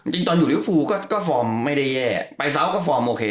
จริงตอนอยู่ริวฟูก็ฟอร์มไม่ได้แย่ไปซาวก็ฟอร์มโอเค